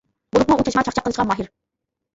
بولۇپمۇ ئۇ چاچما چاقچاق قىلىشقا ماھىر.